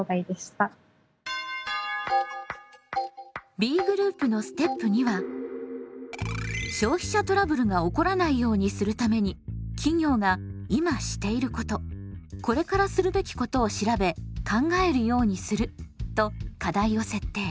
Ｂグループのステップ２は「消費者トラブルが起こらないようにするために企業が今していることこれからするべきことを調べ考えるようにする」と課題を設定。